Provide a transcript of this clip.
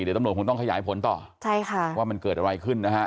เดี๋ยวตำรวจคงต้องขยายผลต่อใช่ค่ะว่ามันเกิดอะไรขึ้นนะฮะ